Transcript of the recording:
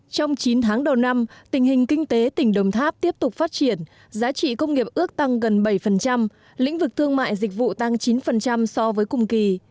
trong chín tháng đầu năm tình hình kinh tế tỉnh đồng tháp tiếp tục phát triển giá trị công nghiệp ước tăng gần bảy lĩnh vực thương mại dịch vụ tăng chín so với cùng kỳ